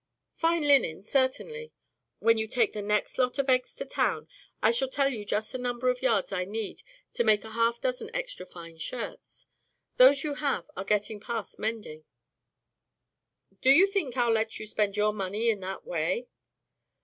"Fine linen, certainly. When you take the next lot of eggs to town I shall tell you just the number of yards I need to make half a dozen extra fine shirts. Those you have are getting past mending." "Do you think I'll let you spend your money in that way?"